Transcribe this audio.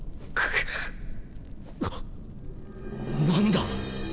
何だ？